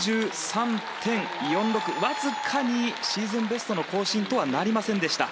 わずかにシーズンベスト更新とはなりませんでした。